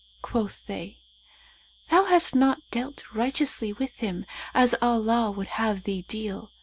Quoth they, 'Thou hast not dealt righteously with him, as Allah would have thee deal.'